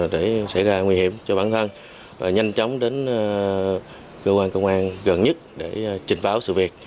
để xảy ra nguy hiểm cho bản thân nhanh chóng đến cơ quan công an gần nhất để trình báo sự việc